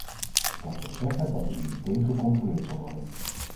Dat wil zeggen dat het nu meteen gecontroleerd zal worden.